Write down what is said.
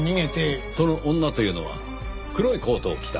その女というのは黒いコートを着た？